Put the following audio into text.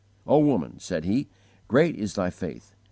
"O woman," said He, "great is thy faith!